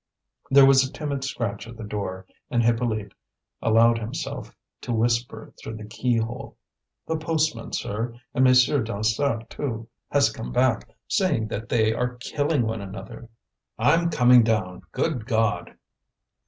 There was a timid scratch at the door, and Hippolyte allowed himself to whisper through the keyhole: "The postman, sir. And Monsieur Dansaert, too, has come back, saying that they are killing one another." "I'm coming down, good God!"